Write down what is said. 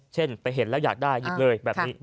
เช่นไปเห็นแล้วอยากได้หยิบเลย